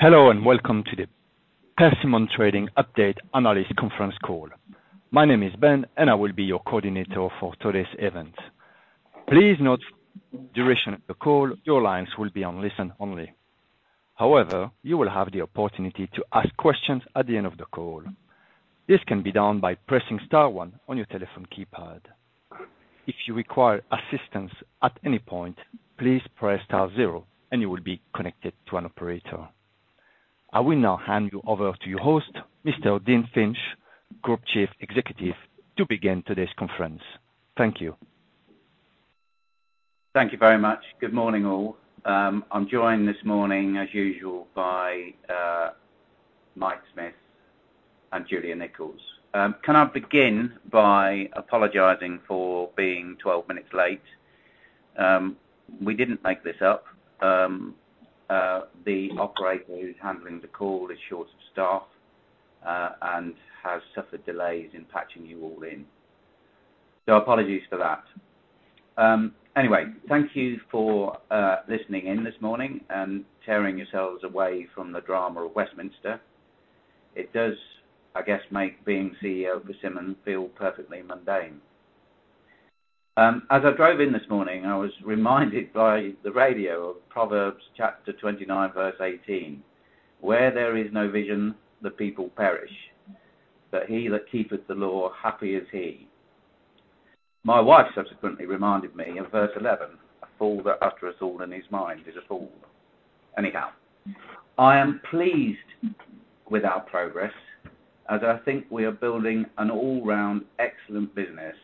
Hello, and welcome to the Persimmon trading update analyst conference call. My name is Ben, and I will be your coordinator for today's event. Please note duration of the call, your lines will be on listen only. However, you will have the opportunity to ask questions at the end of the call. This can be done by pressing star one on your telephone keypad. If you require assistance at any point, please press star zero and you will be connected to an operator. I will now hand you over to your host, Mr. Dean Finch, Group Chief Executive, to begin today's conference. Thank you. Thank you very much. Good morning, all. I'm joined this morning, as usual, by Mike Smith and Julia Nichols. Can I begin by apologizing for being 12 minutes late? We didn't make this up. The operator who's handling the call is short of staff and has suffered delays in patching you all in. Apologies for that. Anyway, thank you for listening in this morning and tearing yourselves away from the drama of Westminster. It does, I guess, make being CEO of Persimmon feel perfectly mundane. As I drove in this morning, I was reminded by the radio of Proverbs chapter 29, verse 18, "Where there is no vision, the people perish. He that keepeth the law, happy is he. My wife subsequently reminded me in verse 11, "A fool that uttereth all in his mind is a fool." Anyhow. I am pleased with our progress as I think we are building an all-round excellent business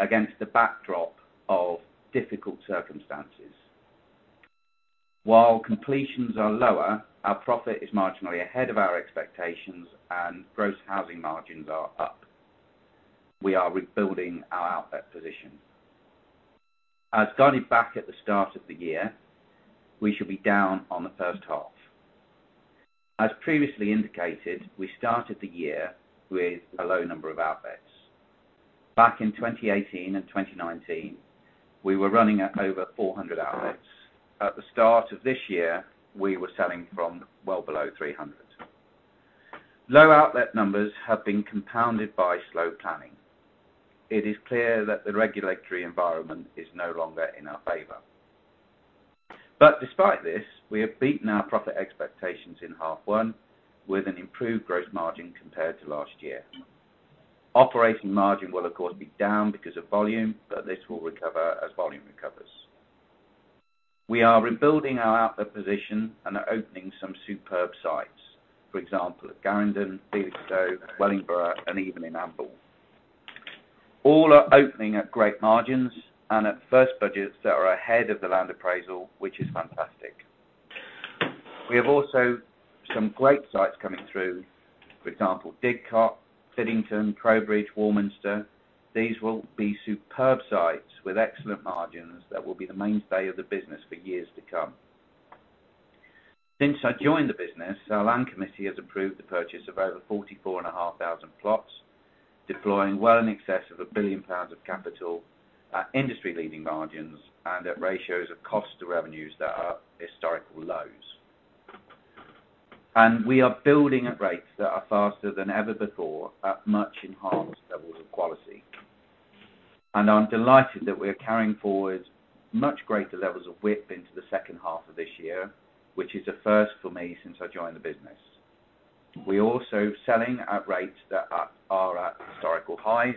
against the backdrop of difficult circumstances. While completions are lower, our profit is marginally ahead of our expectations and gross housing margins are up. We are rebuilding our outlet position. As guided back at the start of the year, we should be down on the first half. As previously indicated, we started the year with a low number of outlets. Back in 2018 and 2019, we were running at over 400 outlets. At the start of this year, we were selling from well below 300. Low outlet numbers have been compounded by slow planning. It is clear that the regulatory environment is no longer in our favor. Despite this, we have beaten our profit expectations in H1 with an improved gross margin compared to last year. Operating margin will of course be down because of volume, but this will recover as volume recovers. We are rebuilding our outlet position and are opening some superb sites, for example, at Garendon, Felixstowe, Wellingborough, and even in Amble. All are opening at great margins and at first budgets that are ahead of the land appraisal, which is fantastic. We have also some great sites coming through, for example, Didcot, Sittingbourne, Trowbridge, Warminster. These will be superb sites with excellent margins that will be the mainstay of the business for years to come. Since I joined the business, our Land Committee has approved the purchase of over 44,500 plots, deploying well in excess of 1 billion pounds of capital at industry-leading margins and at ratios of cost to revenues that are historical lows. We are building at rates that are faster than ever before at much enhanced levels of quality. I'm delighted that we're carrying forward much greater levels of WIP into the second half of this year, which is a first for me since I joined the business. We're also selling at rates that are at historical highs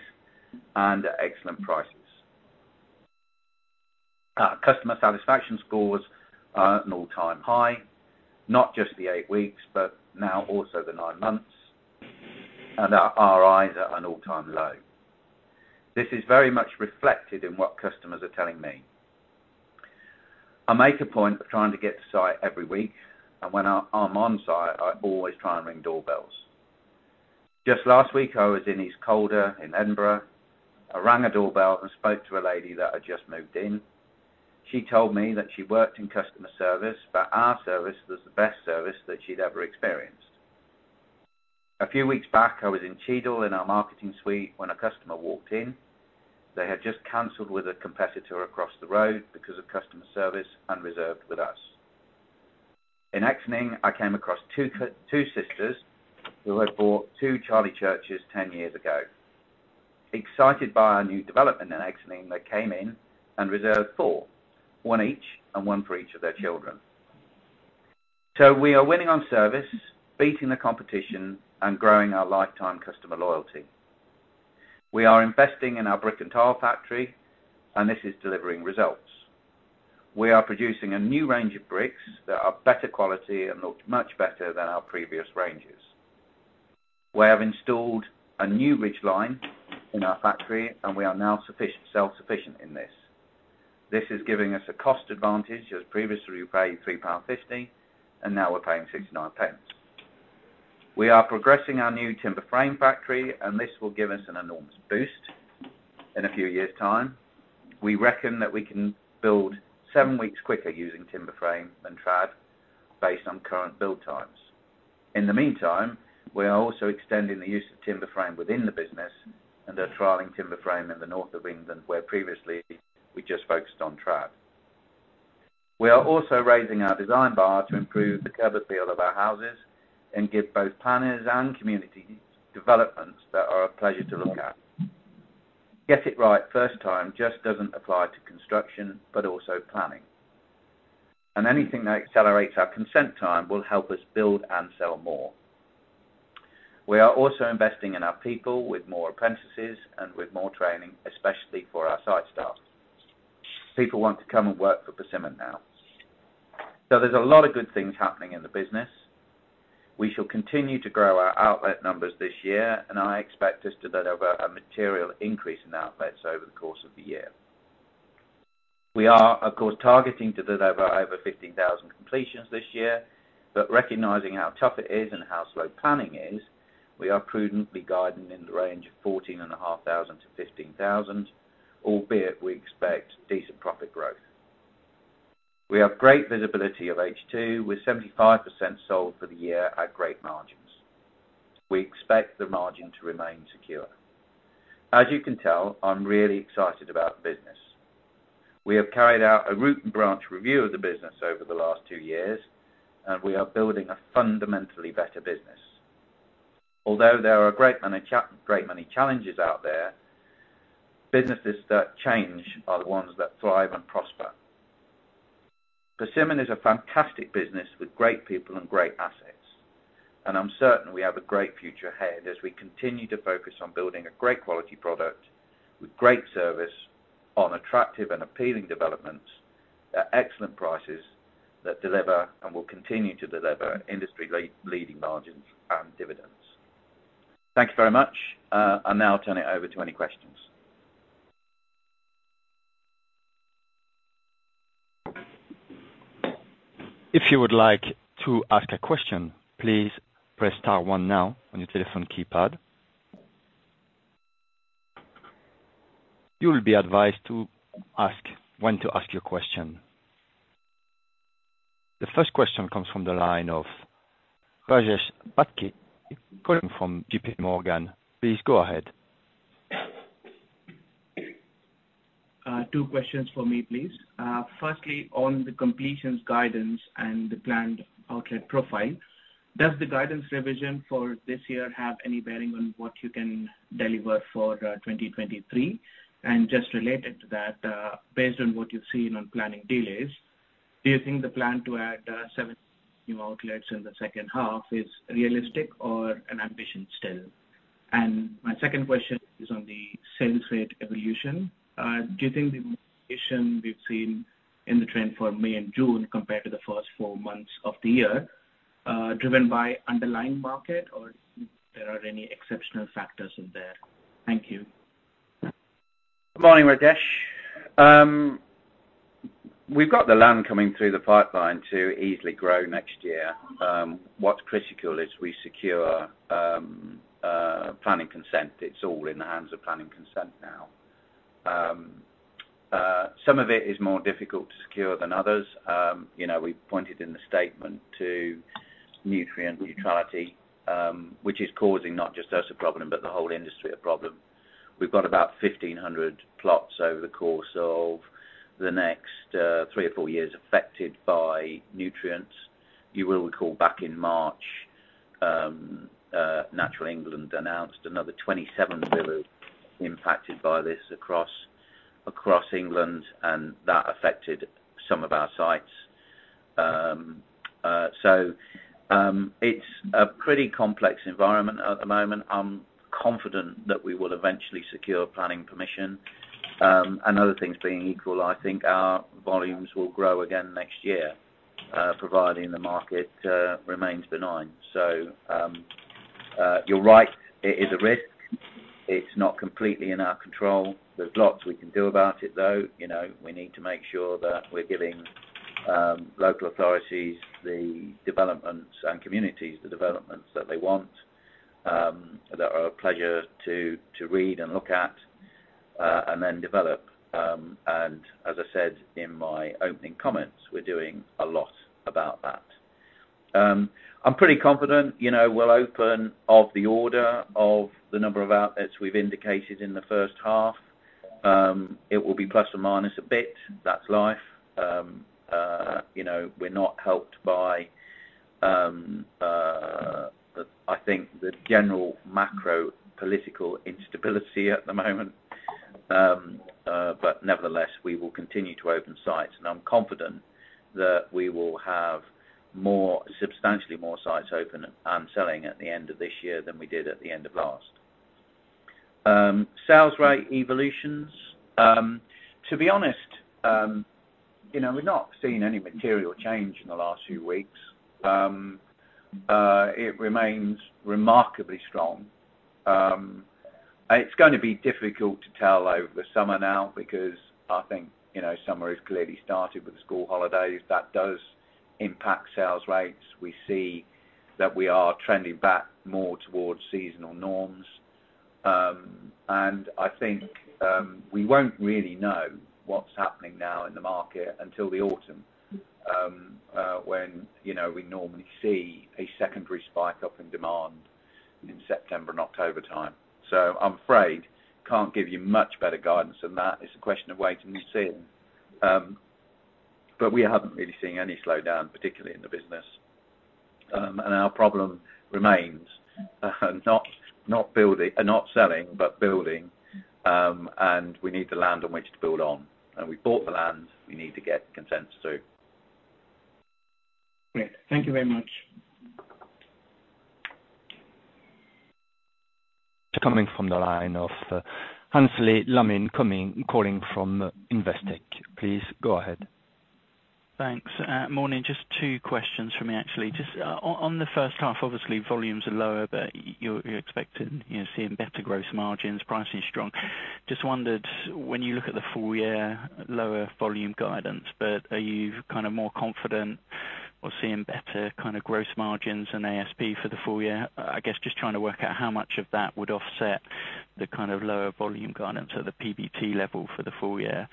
and at excellent prices. Our customer satisfaction scores are at an all-time high, not just the eight weeks, but now also the nine months, and our RIs are an all-time low. This is very much reflected in what customers are telling me. I make a point of trying to get to site every week, and when I'm on site, I always try and ring doorbells. Just last week, I was in East Calder in Edinburgh. I rang a doorbell and spoke to a lady that had just moved in. She told me that she worked in customer service, but our service was the best service that she'd ever experienced. A few weeks back, I was in Cheadle in our marketing suite when a customer walked in. They had just canceled with a competitor across the road because of customer service and reserved with us. In Exning, I came across two sisters who had bought two Charles Church 10 years ago. Excited by our new development in Exning, they came in and reserved four, one each and one for each of their children. We are winning on service, beating the competition, and growing our lifetime customer loyalty. We are investing in our brick and tile factory, and this is delivering results. We are producing a new range of bricks that are better quality and look much better than our previous ranges. We have installed a new ridge line in our factory, and we are now self-sufficient in this. This is giving us a cost advantage, as previously we paid 3.50 pound, and now we're paying 0.69 pounds. We are progressing our new timber frame factory, and this will give us an enormous boost in a few years' time. We reckon that we can build seven weeks quicker using timber frame than trad based on current build times. In the meantime, we are also extending the use of timber frame within the business and are trialing timber frame in the north of England, where previously we just focused on trad. We are also raising our design bar to improve the curb appeal of our houses and give both planners and communities developments that are a pleasure to look at. Get it right first time just doesn't apply to construction, but also planning. Anything that accelerates our consent time will help us build and sell more. We are also investing in our people with more apprentices and with more training, especially for our site staff. People want to come and work for Persimmon now. There's a lot of good things happening in the business. We shall continue to grow our outlet numbers this year, and I expect us to deliver a material increase in outlets over the course of the year. We are, of course, targeting to deliver over 15,000 completions this year, but recognizing how tough it is and how slow planning is, we are prudently guiding in the range of 14,500-15,000, albeit we expect decent profit growth. We have great visibility of H2, with 75% sold for the year at great margins. We expect the margin to remain secure. As you can tell, I'm really excited about the business. We have carried out a root-and-branch review of the business over the last two years, and we are building a fundamentally better business. Although there are a great many challenges out there, businesses that change are the ones that thrive and prosper. Persimmon is a fantastic business with great people and great assets, and I'm certain we have a great future ahead as we continue to focus on building a great quality product with great service on attractive and appealing developments at excellent prices that deliver and will continue to deliver industry-leading margins and dividends. Thank you very much. I'll now turn it over to any questions. If you would like to ask a question, please press star one now on your telephone keypad. You will be advised when to ask your question. The first question comes from the line of Rajesh Patki calling from JPMorgan. Please go ahead. Two questions for me, please. Firstly, on the completions guidance and the planned outlet profile, does the guidance revision for this year have any bearing on what you can deliver for 2023? Just related to that, based on what you've seen on planning delays, do you think the plan to add seven new outlets in the second half is realistic or an ambition still? My second question is on the sales rate evolution. Do you think the evolution we've seen in the trend for May and June compared to the first four months of the year driven by underlying market or there are any exceptional factors in there? Thank you. Good morning, Rajesh. We've got the land coming through the pipeline to easily grow next year. What's critical is we secure planning consent. It's all in the hands of planning consent now. Some of it is more difficult to secure than others. You know, we pointed in the statement to nutrient neutrality, which is causing not just us a problem, but the whole industry a problem. We've got about 1,500 plots over the course of the next three or four years affected by nutrients. You will recall back in March, Natural England announced another 27 SPAs impacted by this across England, and that affected some of our sites. It's a pretty complex environment at the moment. I'm confident that we will eventually secure planning permission. Other things being equal, I think our volumes will grow again next year, providing the market remains benign. You're right, it is a risk. It's not completely in our control. There's lots we can do about it, though. You know, we need to make sure that we're giving local authorities the developments and communities the developments that they want, that are a pleasure to read and look at, and then develop. As I said in my opening comments, we're doing a lot about that. I'm pretty confident, you know, we'll open of the order of the number of outlets we've indicated in the first half. It will be plus or minus a bit. That's life. You know, we're not helped by the, I think, the general macro political instability at the moment. Nevertheless, we will continue to open sites, and I'm confident that we will have more, substantially more sites open and selling at the end of this year than we did at the end of last. Sales rate evolutions, to be honest, you know, we've not seen any material change in the last few weeks. It remains remarkably strong. It's gonna be difficult to tell over the summer now because I think, you know, summer has clearly started with the school holidays. That does impact sales rates. We see that we are trending back more towards seasonal norms. I think we won't really know what's happening now in the market until the autumn, when, you know, we normally see a secondary spike up in demand in September and October time. I'm afraid I can't give you much better guidance than that. It's a question of waiting and seeing. We haven't really seen any slowdown, particularly in the business. Our problem remains, not selling, but building. We need the land on which to build on. We bought the land, we need to get consent to. Great. Thank you very much. Coming from the line of Aynsley Lammin, calling from Investec. Please go ahead. Thanks. Morning. Just two questions from me, actually. Just on the first half, obviously, volumes are lower, but you're expecting, you're seeing better gross margins, pricing is strong. Just wondered, when you look at the full year lower volume guidance, but are you kind of more confident or seeing better kind of gross margins and ASP for the full year? I guess just trying to work out how much of that would offset the kind of lower volume guidance or the PBT level for the full year.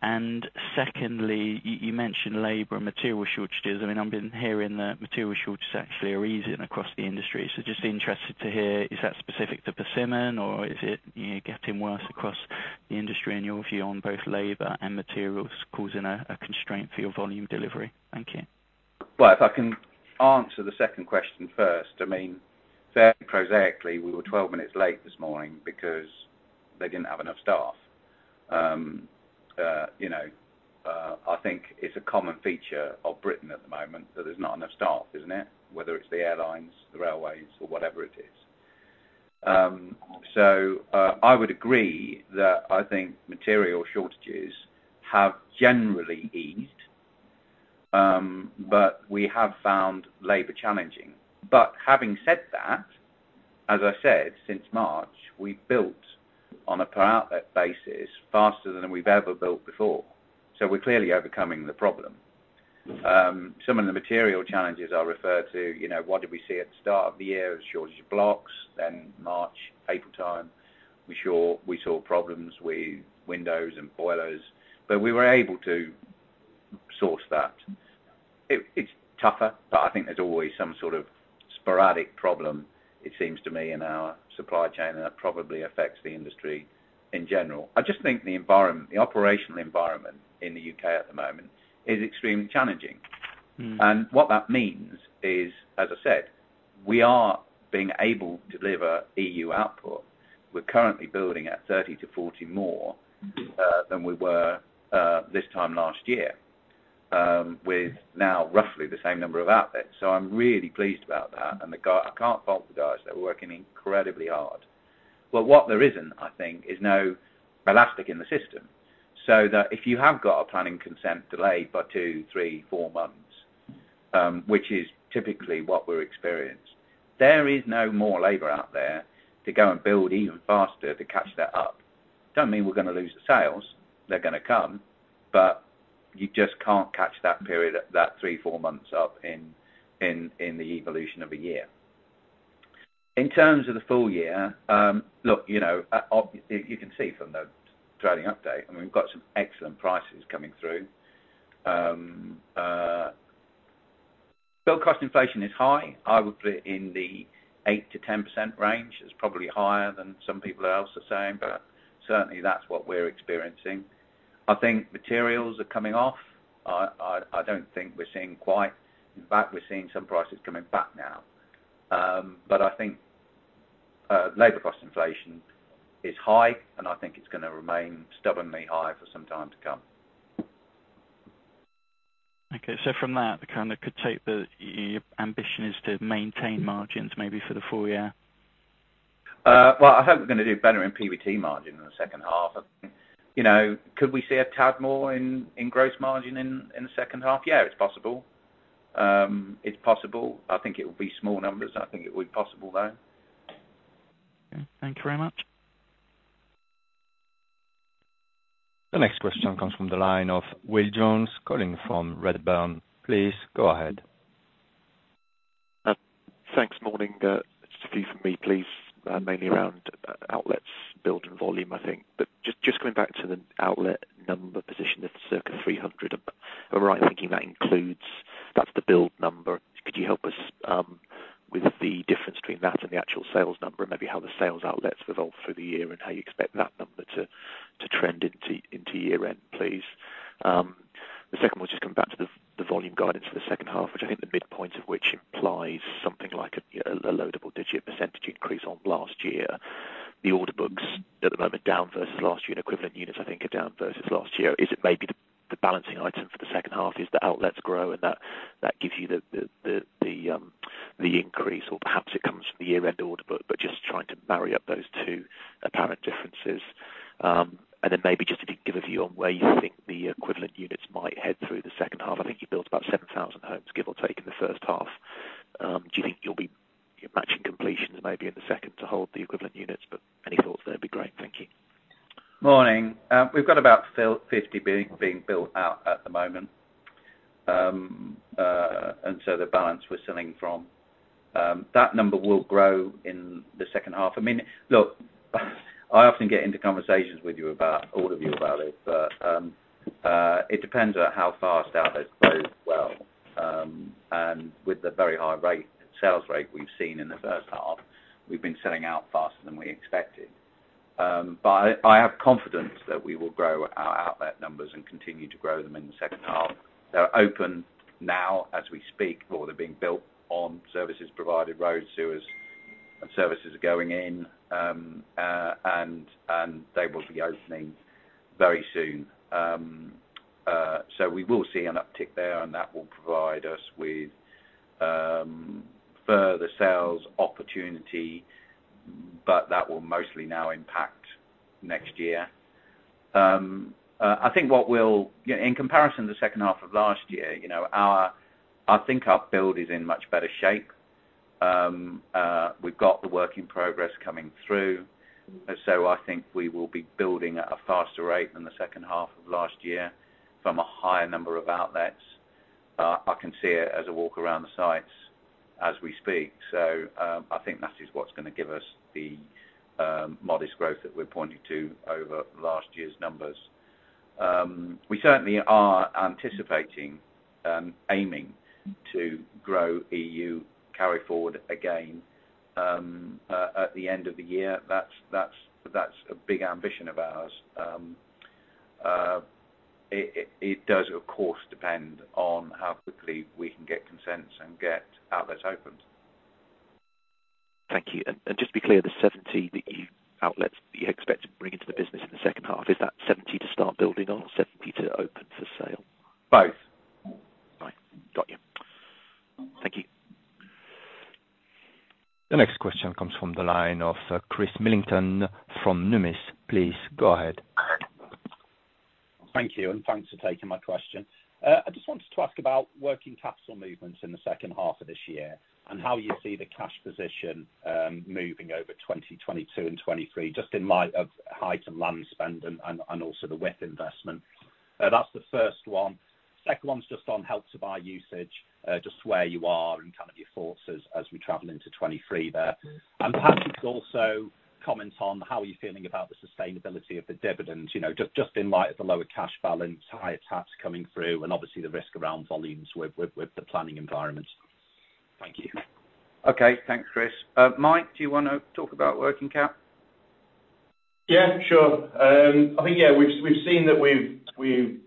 And secondly, you mentioned labor and material shortages. I mean, I've been hearing that material shortages actually are easing across the industry. So just interested to hear, is that specific to Persimmon or is it, you know, getting worse across the industry in your view on both labor and materials causing a constraint for your volume delivery? Thank you. Well, if I can answer the second question first, I mean, fairly prosaically, we were 12 minutes late this morning because they didn't have enough staff. You know, I think it's a common feature of Britain at the moment that there's not enough staff, isn't it? Whether it's the airlines, the railways or whatever it is. I would agree that I think material shortages have generally eased, but we have found labor challenging. Having said that, as I said, since March, we've built on a per outlet basis faster than we've ever built before. We're clearly overcoming the problem. Some of the material challenges I referred to, you know, what did we see at the start of the year? A shortage of blocks, then March, April time, we saw problems with windows and boilers, but we were able to source that. It's tougher, but I think there's always some sort of sporadic problem, it seems to me, in our supply chain, and that probably affects the industry in general. I just think the environment, the operational environment in the U.K. at the moment is extremely challenging. Mm. What that means is, as I said, we are being able to deliver new output. We're currently building at 30-40 more than we were this time last year, with now roughly the same number of outlets. I'm really pleased about that. I can't fault the guys. They were working incredibly hard. What there isn't, I think, is no elastic in the system, so that if you have got a planning consent delayed by two, three, four months, which is typically what we're experiencing, there is no more labor out there to go and build even faster to catch that up. Doesn't mean we're gonna lose the sales, they're gonna come, but you just can't catch that period, that three, four months up in the evolution of a year. In terms of the full year, look, you know, you can see from the trading update, I mean, we've got some excellent prices coming through. Build cost inflation is high. I would put it in the 8%-10% range. It's probably higher than some people else are saying, but certainly that's what we're experiencing. I think materials are coming off. I don't think we're seeing quite. In fact, we're seeing some prices coming back now. I think labor cost inflation is high, and I think it's gonna remain stubbornly high for some time to come. From that, kind of, your ambition is to maintain margins maybe for the full year? Well, I hope we're gonna do better in PBT margin in the second half. You know, could we see a tad more in gross margin in the second half? Yeah, it's possible. It's possible. I think it will be small numbers. I think it would be possible, though. Okay. Thank you very much. The next question comes from the line of Will Jones, calling from Redburn. Please go ahead. Thanks. Morning. Just a few from me, please, mainly around outlets build and volume, I think. Just going back to the outlet number position of circa 300, am I right in thinking that includes. That's the build number. Could you help us with the difference between that and the actual sales number and maybe how the sales outlets evolved through the year and how you expect that number to trend into year end, please. The second one, just come back to the volume guidance for the second half, which I think the midpoint of which implies something like a, you know, a low double-digit percentage increase on last year. The order books at the moment down versus last year and equivalent units I think are down versus last year. Is it maybe the balancing item for the second half is the outlets grow and that gives you the increase or perhaps it comes from the year-end order book, but just trying to marry up those two apparent differences. Then maybe just if you could give a view on where you think the equivalent units might head through the second half. I think you built about 7,000 homes, give or take, in the first half. Do you think you'll be matching completions maybe in the second to hold the equivalent units? Any thoughts there would be great. Thank you. Morning. We've got about still 50 being built out at the moment. The balance we're selling from, that number will grow in the second half. I mean, look, I often get into conversations with you about all of you about it. It depends on how fast outlets grow as well. With the very high rate, sales rate we've seen in the first half, we've been selling out faster than we expected. I have confidence that we will grow our outlet numbers and continue to grow them in the second half. They're open now as we speak, or they're being built on services provided, roads, sewers and services are going in. They will be opening very soon. We will see an uptick there, and that will provide us with further sales opportunity, but that will mostly now impact next year. In comparison to the second half of last year, you know, I think our build is in much better shape. We've got the work in progress coming through. I think we will be building at a faster rate than the second half of last year from a higher number of outlets. I can see it as I walk around the sites as we speak. I think that is what's gonna give us the modest growth that we're pointing to over last year's numbers. We certainly are anticipating aiming to grow EU carry forward again at the end of the year. That's a big ambition of ours. It does, of course, depend on how quickly we can get consents and get outlets opened. Thank you. Just to be clear, the 70 outlets you expect to bring into the business in the second half, is that 70 to start building or 70 to open for sale? Both. Right. Got you. Thank you. The next question comes from the line of Chris Millington from Numis. Please go ahead. Thank you, and thanks for taking my question. I just wanted to ask about working capital movements in the second half of this year and how you see the cash position moving over 2022 and 2023, just in light of higher land spend and also the build investment. That's the first one. Second one's just on Help to Buy usage, just where you are and kind of your thoughts as we travel into 2023 there. Perhaps you could also comment on how you're feeling about the sustainability of the dividends, you know, just in light of the lower cash balance, higher tax coming through, and obviously the risk around volumes with the planning environment. Thank you. Okay. Thanks, Chris. Mike, do you wanna talk about working cap? Yeah, sure. I think, yeah, we've seen that we've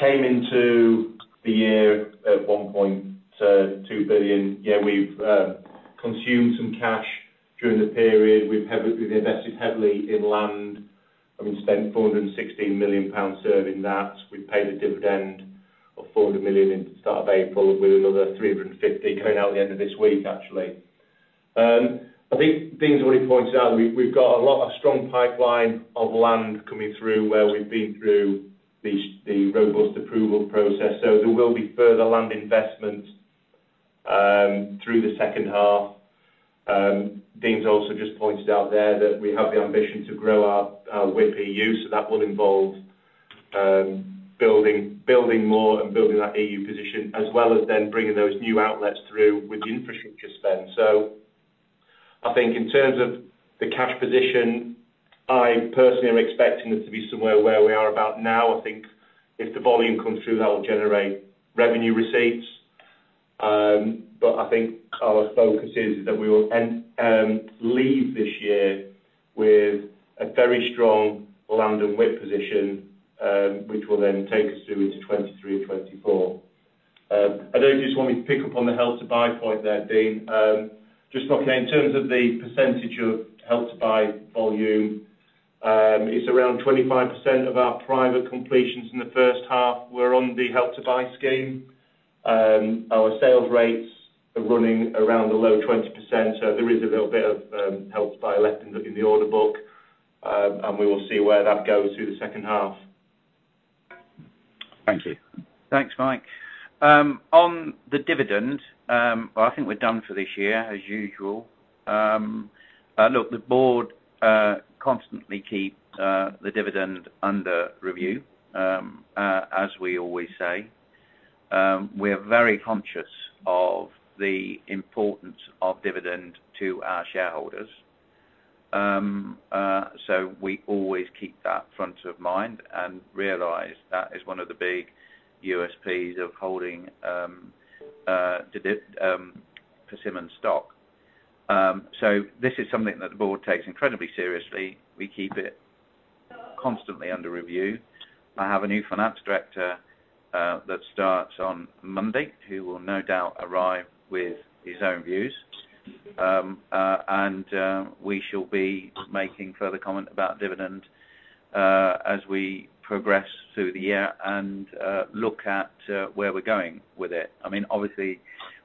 came into the year at 1.2 billion. Yeah, we've consumed some cash during the period. We've invested heavily in land and we've spent 416 million pounds securing that. We've paid a dividend of 400 million at the start of April, with another 350 coming out at the end of this week, actually. I think Dean's already pointed out, we've got a lot of strong pipeline of land coming through where we've been through the robust approval process. There will be further land investment through the second half. Dean's also just pointed out there that we have the ambition to grow our outlet, so that will involve building more and building that outlet position, as well as then bringing those new outlets through with infrastructure spend. I think in terms of the cash position, I personally am expecting it to be somewhere where we are about now. I think if the volume comes through, that will generate revenue receipts. I think our focus is that we will leave this year with a very strong land and outlet position, which will then take us through into 2023 and 2024. I don't know if you just want me to pick up on the Help to Buy point there, Dean. Just roughly in terms of the percentage of Help to Buy volume, it's around 25% of our private completions in the first half were on the Help to Buy scheme. Our sales rates are running around the low 20%, so there is a little bit of Help to Buy left in the order book. We will see where that goes through the second half. Thank you. Thanks, Mike. On the dividend, I think we're done for this year as usual. Look, the board constantly keep the dividend under review, as we always say. We're very conscious of the importance of dividend to our shareholders. We always keep that front of mind and realize that is one of the big USPs of holding Persimmon stock. This is something that the board takes incredibly seriously. We keep it constantly under review. I have a new Finance Director that starts on Monday, who will no doubt arrive with his own views. We shall be making further comment about dividend as we progress through the year and look at where we're going with it. I mean, obviously,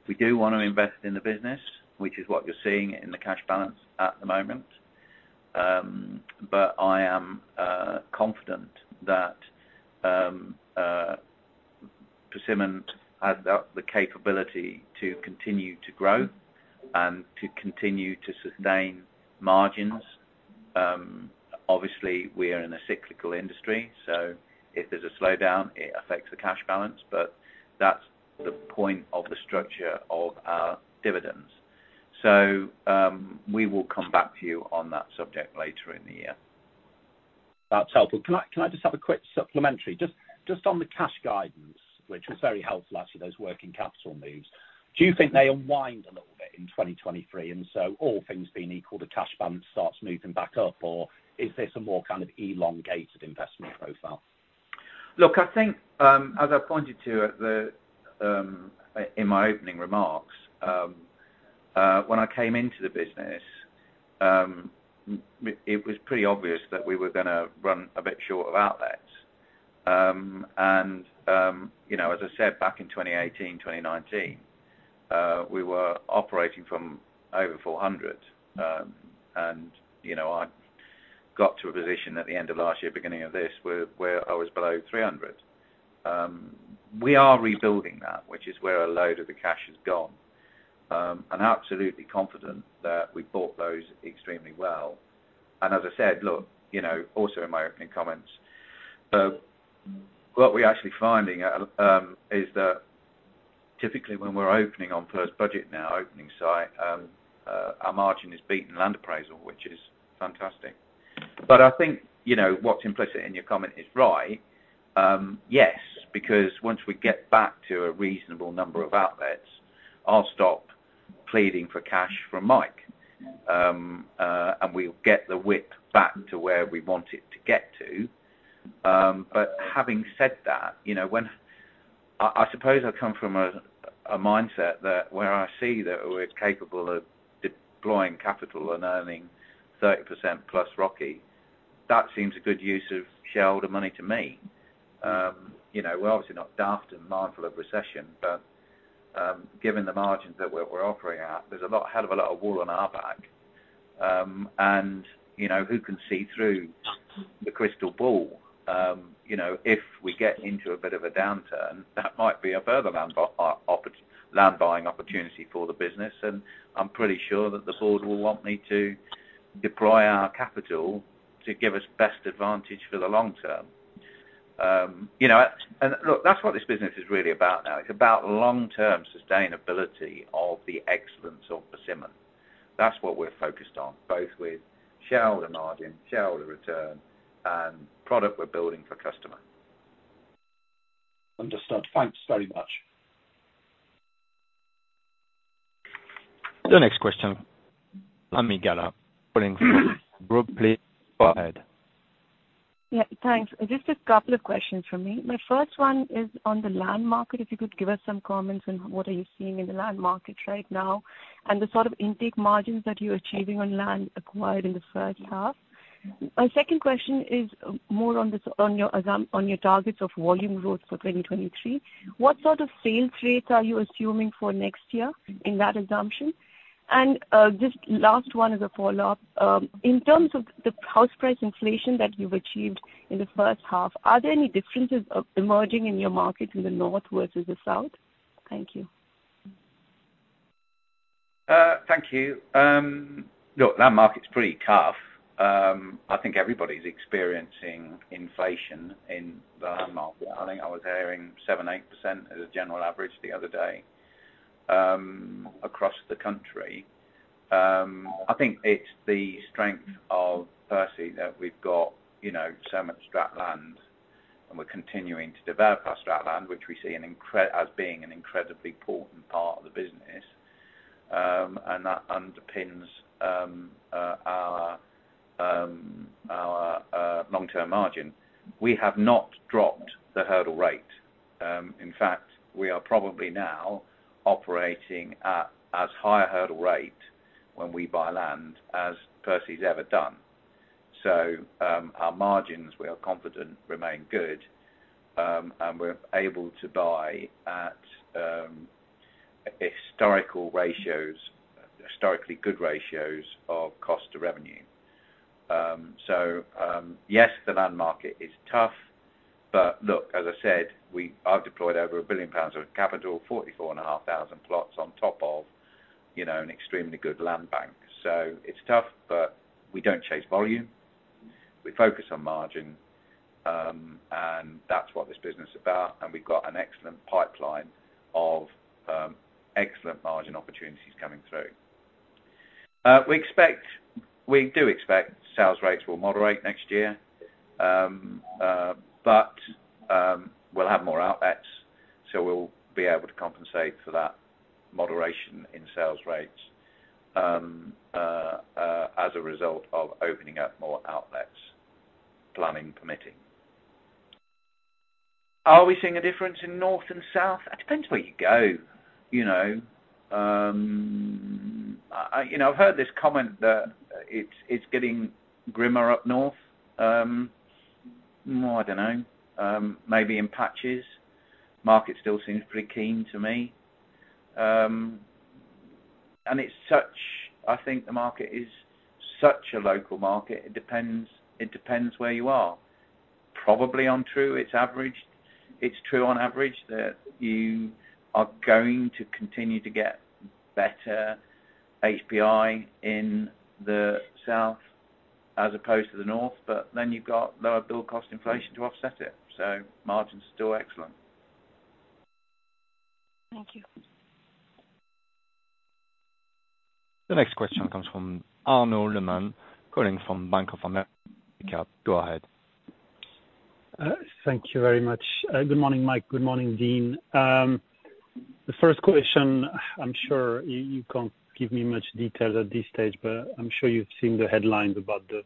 we do want to invest in the business, which is what you're seeing in the cash balance at the moment. I am confident that Persimmon has the capability to continue to grow and to continue to sustain margins. Obviously, we are in a cyclical industry, so if there's a slowdown, it affects the cash balance, but that's the point of the structure of our dividends. We will come back to you on that subject later in the year. That's helpful. Can I just have a quick supplementary? Just on the cash guidance, which was very helpful, actually, those working capital moves. Do you think they unwind a little bit in 2023, and so all things being equal, the cash balance starts moving back up, or is this a more kind of elongated investment profile? Look, I think, as I pointed to at the, in my opening remarks, when I came into the business, it was pretty obvious that we were gonna run a bit short of outlets. You know, as I said, back in 2018, 2019, we were operating from over 400. You know, I got to a position at the end of last year, beginning of this, where I was below 300. We are rebuilding that, which is where a load of the cash has gone. I'm absolutely confident that we bought those extremely well. As I said, look, you know, also in my opening comments, what we're actually finding is that typically when we're opening on first budget now, opening site, our margin is beating land appraisal, which is fantastic. I think, you know, what's implicit in your comment is right. Yes, because once we get back to a reasonable number of outlets, I'll stop pleading for cash from Mike. And we'll get the WIP back to where we want it to get to. But having said that, you know, I suppose I come from a mindset that where I see that we're capable of deploying capital and earning 30%+ ROCE, that seems a good use of shareholder money to me. You know, we're obviously not daft and mindful of recession, but given the margins that we're operating at, there's a lot, hell of a lot of wool on our back. You know, who can see through the crystal ball? You know, if we get into a bit of a downturn, that might be a further land buying opportunity for the business, and I'm pretty sure that the board will want me to deploy our capital to give us best advantage for the long term. You know, look, that's what this business is really about now. It's about long-term sustainability of the excellence of Persimmon. That's what we're focused on, both with shareholder margin, shareholder return, and product we're building for customer. Understood. Thanks very much. The next question, Ami Galla with Citigroup. Please go ahead. Yeah, thanks. Just a couple of questions from me. My first one is on the land market. If you could give us some comments on what are you seeing in the land markets right now and the sort of intake margins that you're achieving on land acquired in the first half. My second question is more on your targets of volume growth for 2023. What sort of sales rates are you assuming for next year in that assumption? This last one is a follow-up. In terms of the house price inflation that you've achieved in the first half, are there any differences emerging in your market in the north versus the south? Thank you. Thank you. Look, that market's pretty tough. I think everybody's experiencing inflation in the land market. I think I was hearing 7%-8% as a general average the other day across the country. I think it's the strength of Persimmon that we've got, you know, so much strategic land, and we're continuing to develop our strategic land, which we see as being an incredibly important part of the business. That underpins our long-term margin. We have not dropped the hurdle rate. In fact, we are probably now operating at as high a hurdle rate when we buy land as Persimmon's ever done. Our margins, we are confident remain good, and we're able to buy at historical ratios, historically good ratios of cost to revenue. Yes, the land market is tough, but look, as I said, I've deployed over 1 billion pounds of capital, 44,500 plots on top of, you know, an extremely good land bank. It's tough, but we don't chase volume. We focus on margin, and that's what this business is about, and we've got an excellent pipeline of excellent margin opportunities coming through. We do expect sales rates will moderate next year. We'll have more outlets, so we'll be able to compensate for that moderation in sales rates, as a result of opening up more outlets, planning permitting. Are we seeing a difference in North and South? It depends where you go, you know. You know, I've heard this comment that it's getting grimmer up north. No, I don't know. Maybe in patches. Market still seems pretty keen to me. I think the market is such a local market, it depends where you are. It's true on average that you are going to continue to get better HPI in the south as opposed to the north, but then you've got lower build cost inflation to offset it. Margins are still excellent. Thank you. The next question comes from Arnaud Lehmann, calling from Bank of America. Go ahead. Thank you very much. Good morning, Mike. Good morning, Dean. The first question, I'm sure you can't give me much details at this stage, but I'm sure you've seen the headlines about the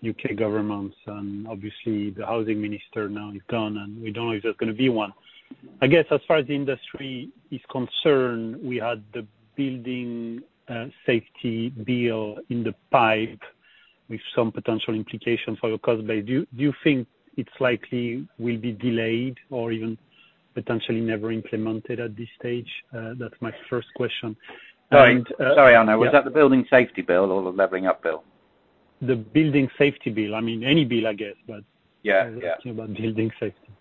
U.K. government and obviously the housing minister now is gone, and we don't know if there's gonna be one. I guess as far as the industry is concerned, we had the Building Safety Bill in the pipeline with some potential implications for your cost base. Do you think it's likely will be delayed or even potentially never implemented at this stage? That's my first question. Sorry, Arnaud. Yeah. Was that the Building Safety Bill or the Levelling Up Bill? The Building Safety Act. I mean, any bill, I guess. Yeah. Yeah I was asking about building safety.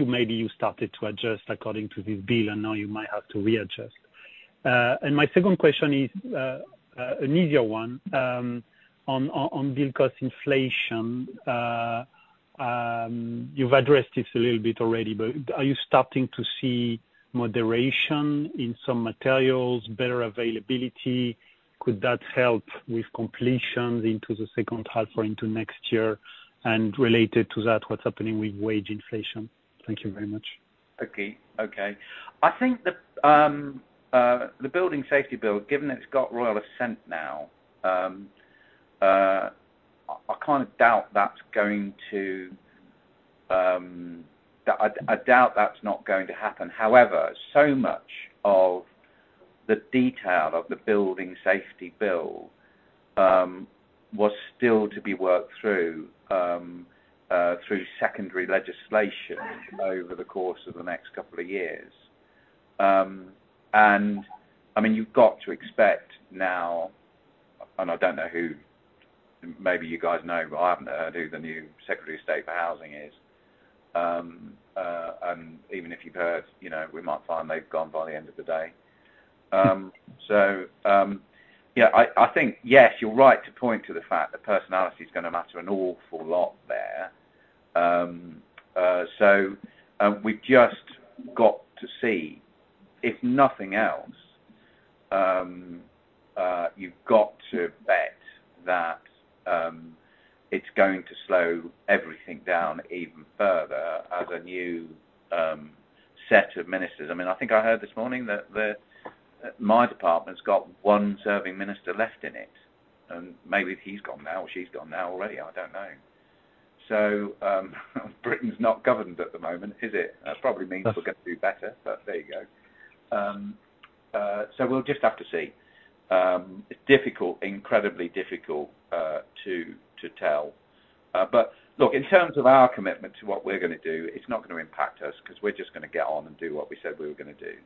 Maybe you started to adjust according to this bill, and now you might have to readjust. My second question is an easier one on build cost inflation. You've addressed this a little bit already, but are you starting to see moderation in some materials, better availability? Could that help with completions into the second half or into next year? Related to that, what's happening with wage inflation? Thank you very much. Okay. I think the Building Safety Act, given that it's got royal assent now, I doubt that's not going to happen. However, so much of the detail of the Building Safety Act was still to be worked through through secondary legislation over the course of the next couple of years. I mean, you've got to expect now, and I don't know who, maybe you guys know, but I haven't heard who the new secretary of state for housing is. Even if you've heard, you know, we might find they've gone by the end of the day. Yeah, I think, yes, you're right to point to the fact that personality is gonna matter an awful lot there. We've just got to see. If nothing else, you've got to bet that it's going to slow everything down even further as a new set of ministers. I mean, I think I heard this morning that my department's got one serving minister left in it, and maybe he's gone now, she's gone now already. I don't know. Britain's not governed at the moment, is it? That's- That probably means we're gonna do better, but there you go. We'll just have to see. It's difficult, incredibly difficult, to tell. Look, in terms of our commitment to what we're gonna do, it's not gonna impact us 'cause we're just gonna get on and do what we said we were gonna do.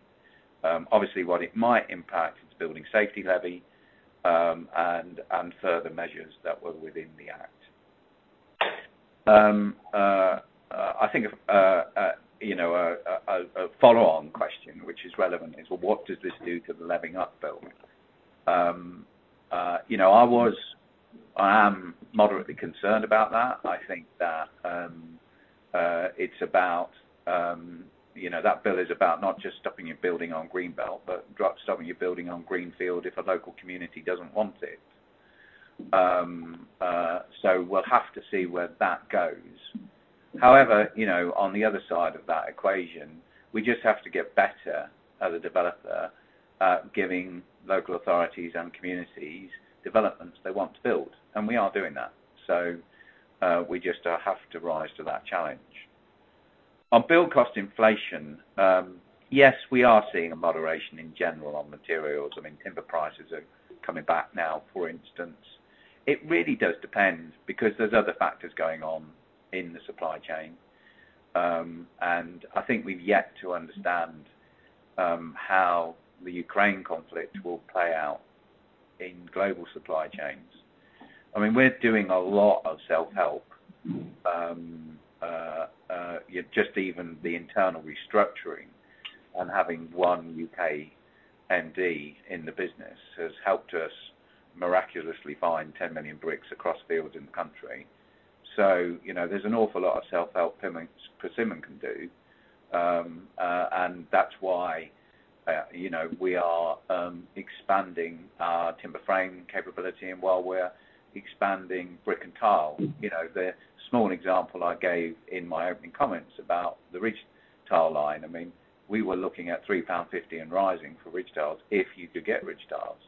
Obviously what it might impact is Building Safety Levy, and further measures that were within the act. I think, you know, a follow on question, which is relevant, is what does this do to the Levelling Up Bill? You know, I am moderately concerned about that. I think that it's about, you know, that bill is about not just stopping you building on green belt, but stopping you building on greenfield if a local community doesn't want it. We'll have to see where that goes. However, you know, on the other side of that equation, we just have to get better as a developer at giving local authorities and communities developments they want built, and we are doing that. We just have to rise to that challenge. On build cost inflation, yes, we are seeing a moderation in general on materials. I mean, timber prices are coming back now, for instance. It really does depend because there's other factors going on in the supply chain, and I think we've yet to understand how the Ukraine conflict will play out in global supply chains. I mean, we're doing a lot of self-help. Just even the internal restructuring on having one U.K. MD in the business has helped us miraculously find 10 million bricks across fields in the country. You know, there's an awful lot of self-help Persimmon can do. That's why, you know, we are expanding our timber frame capability and while we're expanding brick and tile. You know, the small example I gave in my opening comments about the ridge tile line. I mean, we were looking at 3.50 pound and rising for ridge tiles if you could get ridge tiles.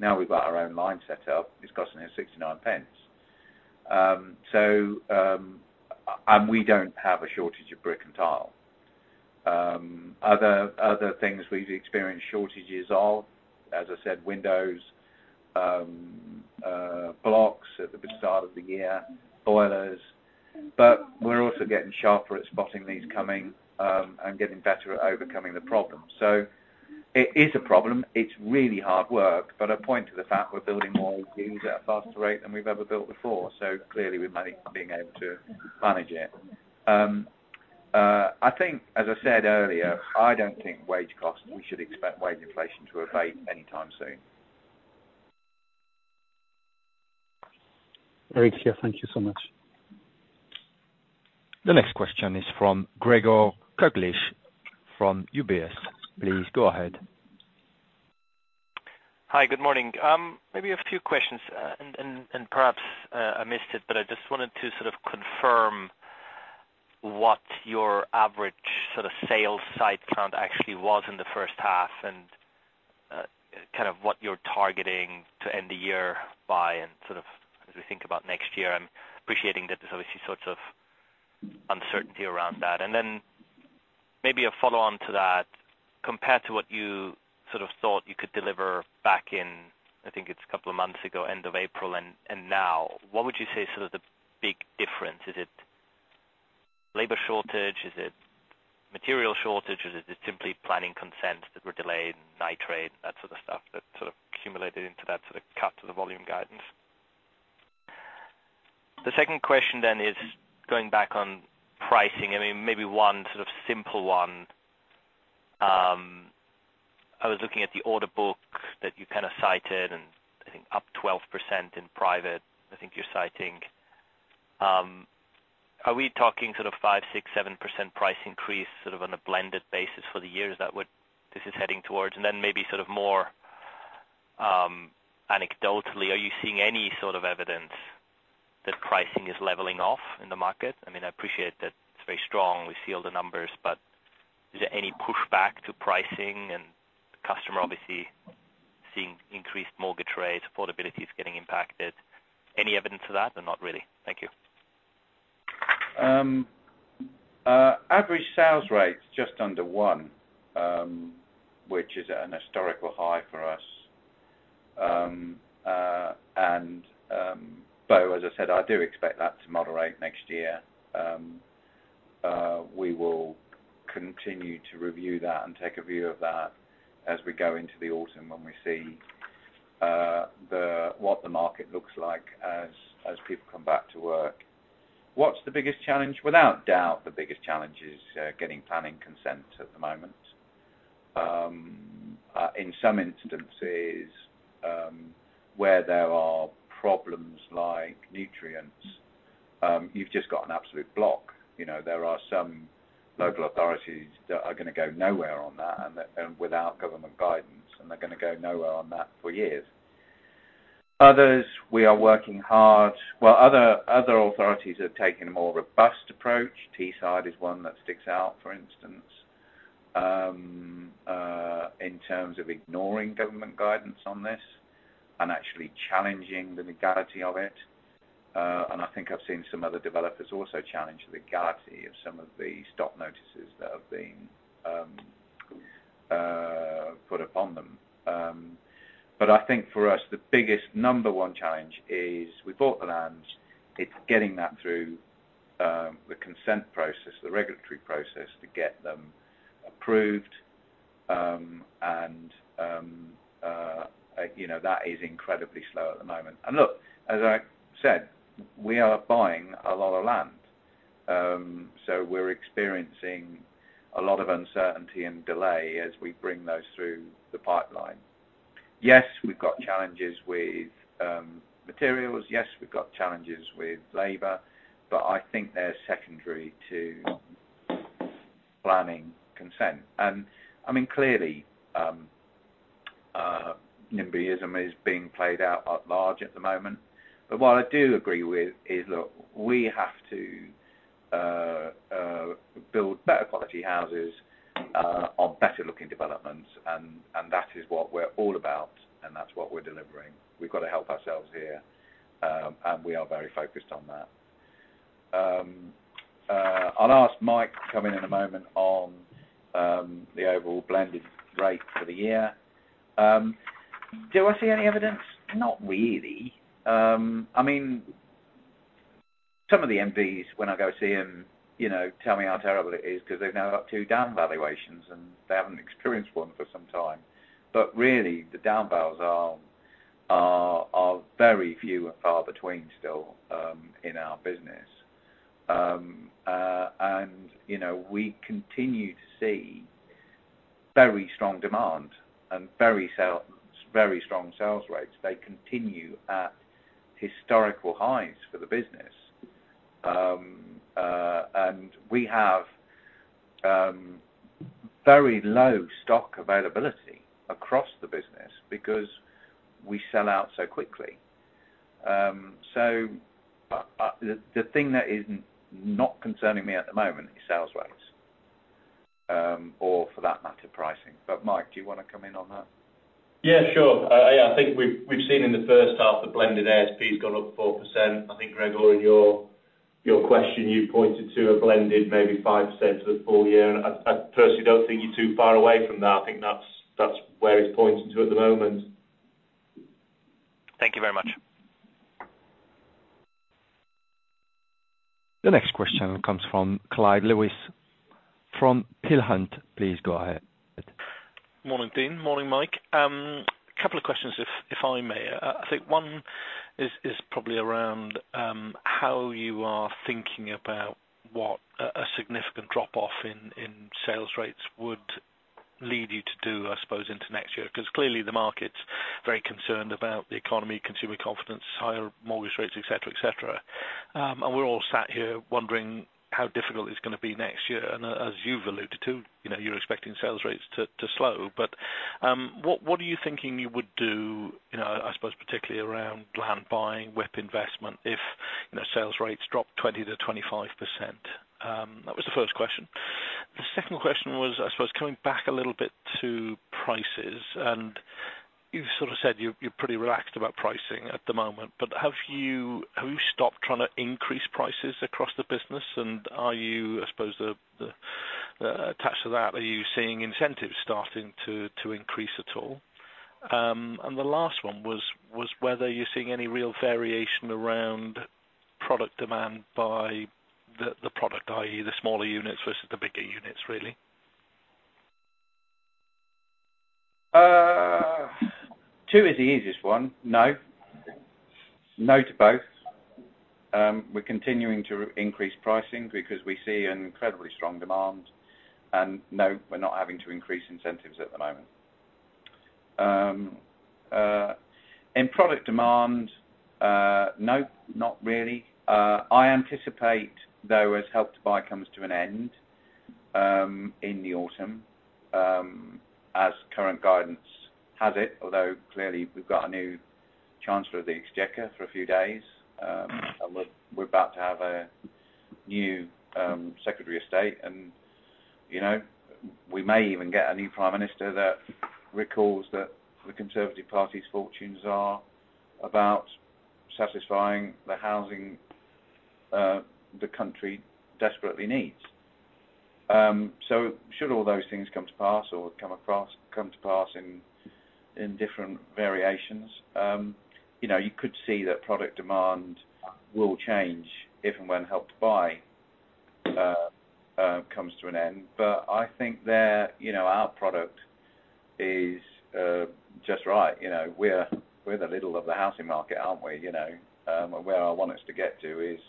Now we've got our own line set up, it's costing us 0.69. We don't have a shortage of brick and tile. Other things we've experienced shortages of, as I said, windows, blocks at the beginning of the year, boilers. We're also getting sharper at spotting these coming and getting better at overcoming the problem. It is a problem. It's really hard work. I point to the fact we're building more homes at a faster rate than we've ever built before. Clearly, we're being able to manage it. I think as I said earlier, I don't think wage costs, we should expect wage inflation to abate anytime soon. Very clear. Thank you so much. The next question is from Gregor Kuglitsch from UBS. Please go ahead. Hi, good morning. Maybe a few questions. Perhaps I missed it, but I just wanted to sort of confirm what your average sort of sales site count actually was in the first half and kind of what you're targeting to end the year by, and sort of as we think about next year, I'm appreciating that there's obviously sorts of uncertainty around that. Maybe a follow on to that, compared to what you sort of thought you could deliver back in, I think it's a couple of months ago, end of April and now, what would you say is sort of the big difference? Is it labor shortage? Is it material shortage? Is it just simply planning consents that were delayed, nutrient neutrality, that sort of stuff that sort of accumulated into that sort of cut to the volume guidance? The second question is going back on pricing. I mean, maybe one sort of simple one. I was looking at the order book that you kind of cited and I think up 12% in private, I think you're citing. Are we talking sort of 5%, 6%, 7% price increase, sort of on a blended basis for the years? Is that what this is heading towards? Maybe sort of more, anecdotally, are you seeing any sort of evidence that pricing is leveling off in the market? I mean, I appreciate that it's very strong. We see all the numbers, but is there any push back to pricing and customer obviously seeing increased mortgage rates, affordability is getting impacted. Any evidence of that or not really? Thank you. Average sales rate's just under one, which is an historical high for us. Though, as I said, I do expect that to moderate next year. We will continue to review that and take a view of that as we go into the autumn when we see what the market looks like as people come back to work. What's the biggest challenge? Without doubt, the biggest challenge is getting planning consent at the moment. In some instances, where there are problems like nutrients, you've just got an absolute block. You know, there are some local authorities that are gonna go nowhere on that, and without government guidance, they're gonna go nowhere on that for years. Others, we are working hard. Other authorities have taken a more robust approach. Teesside is one that sticks out, for instance. In terms of ignoring government guidance on this and actually challenging the legality of it. I think I've seen some other developers also challenge the legality of some of the stop notices that have been put upon them. I think for us, the biggest number one challenge is we bought the lands. It's getting that through the consent process, the regulatory process to get them approved. You know, that is incredibly slow at the moment. Look, as I said, we are buying a lot of land. We're experiencing a lot of uncertainty and delay as we bring those through the pipeline. Yes, we've got challenges with materials. Yes, we've got challenges with labor, but I think they're secondary to planning consent. I mean, clearly, nimbyism is being played out at large at the moment. What I do agree with is, look, we have to build better quality houses on better looking developments, and that is what we're all about, and that's what we're delivering. We've got to help ourselves here, and we are very focused on that. I'll ask Mike to come in in a moment on the overall blended rate for the year. Do I see any evidence? Not really. I mean, some of the MDs when I go see them, you know, tell me how terrible it is because they've now had two down valuations and they haven't experienced one for some time. Really, the down valuations are very few and far between still, in our business. You know, we continue to see very strong demand and very strong sales rates. They continue at historical highs for the business. We have very low stock availability across the business because we sell out so quickly. The thing that is not concerning me at the moment is sales rates, or for that matter, pricing. Mike, do you wanna come in on that? Yeah, sure. Yeah, I think we've seen in the first half, the blended ASP has gone up 4%. I think, Gregor, in your Your question you pointed to a blended maybe 5% for the full year. I personally don't think you're too far away from that. I think that's where it's pointing to at the moment. Thank you very much. The next question comes from Clyde Lewis from Peel Hunt. Please go ahead. Morning, Dean. Morning, Mike. Couple of questions, if I may. I think one is probably around how you are thinking about what a significant drop-off in sales rates would lead you to do, I suppose, into next year. 'Cause clearly the market's very concerned about the economy, consumer confidence, higher mortgage rates, et cetera, et cetera. We're all sat here wondering how difficult it's gonna be next year. As you've alluded to, you know, you're expecting sales rates to slow. What are you thinking you would do, you know, I suppose particularly around land buying, WIP investment, if sales rates drop 20%-25%? That was the first question. The second question was, I suppose coming back a little bit to prices, and you've sort of said you're pretty relaxed about pricing at the moment. Have you stopped trying to increase prices across the business and are you, I suppose the attached to that, are you seeing incentives starting to increase at all? The last one was whether you're seeing any real variation around product demand by the product, i.e. the smaller units versus the bigger units, really. Two is the easiest one. No. No to both. We're continuing to increase pricing because we see an incredibly strong demand. No, we're not having to increase incentives at the moment. In product demand, no, not really. I anticipate, though, as Help to Buy comes to an end, in the autumn, as current guidance has it, although clearly we've got a new chancellor of the Exchequer for a few days, and we're about to have a new secretary of state. You know, we may even get a new prime minister that recalls that the Conservative Party's fortunes are about satisfying the housing, the country desperately needs. Should all those things come to pass in different variations, you know, you could see that product demand will change if and when Help to Buy comes to an end. I think there, you know, our product is just right. You know, we're the Lidl of the housing market, aren't we? You know, where I want us to get to is